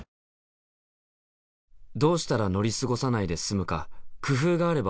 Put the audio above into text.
どうしたら乗り過ごさないで済むか工夫があれば教えて下さい。